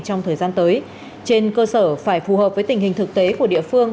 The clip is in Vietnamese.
trong thời gian tới trên cơ sở phải phù hợp với tình hình thực tế của địa phương